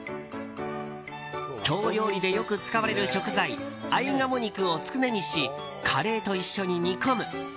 京料理でよく使われる食材あい鴨肉をつくねにしカレーと一緒に煮込む。